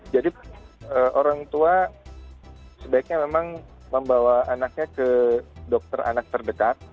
jadi orang tua sebaiknya memang membawa anaknya ke dokter anak terdekat